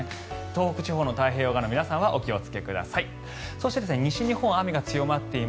東北地方の太平洋側の皆さんはお気をつけください。